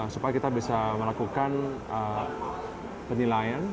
supaya kita bisa melakukan penilaian